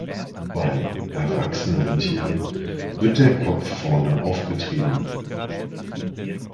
Bei „erwachsenen“ Tieren wird der Kopf vorne aufgetrieben.